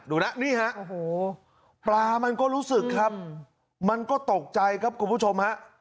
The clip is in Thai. ดูนะนี่ฮะโอ้โหปลามันก็รู้สึกครับมันก็ตกใจครับคุณผู้ชมฮะ